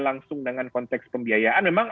langsung dengan konteks pembiayaan memang